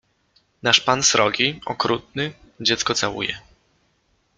Nasz pan srogi, okrutny, dziecko całuje.